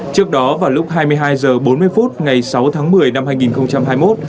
trước đó vào lúc hai mươi hai h bốn mươi phút ngày sáu tháng một mươi năm hai nghìn hai mươi một